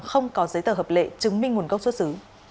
không có giấy tờ hợp lệ chứng minh nguồn gốc xuất xứ